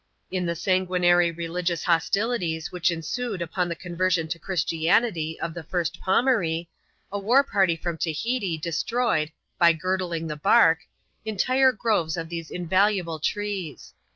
In th^ sanguinary religious hostilities which ensued upon the conversion to Christianity of the first Pomaree, a war party from Tahiti destroyed (by " girdling" the bark) entire groves of these it valuable trees.